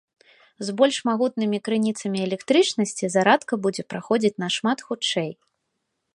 З больш магутнымі крыніцамі электрычнасці зарадка будзе праходзіць нашмат хутчэй.